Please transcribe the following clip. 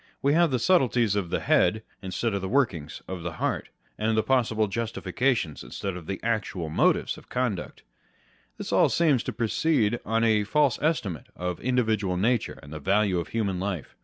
We have the subtleties of the head, instead of the workings of the heart, and possible justifications instead of the actual motives of conduct. This all seems to proceed on a false estimate of individual nature and the value of human life.